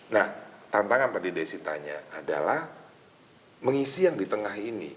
nah tantangan tadi desi tanya adalah mengisi yang di tengah ini